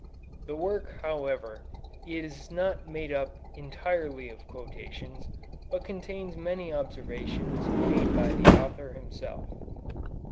The work, however, is not made up entirely of quotations, but contains many observations made by the author himself.